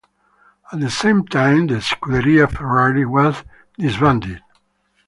At the same time the Scuderia Ferrari was disbanded.